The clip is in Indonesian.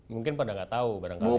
mungkin pada gak tau